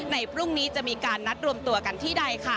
พรุ่งนี้จะมีการนัดรวมตัวกันที่ใด